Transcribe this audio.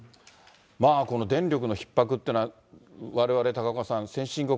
この電力のひっ迫っていうのは、われわれ、高岡さん、先進国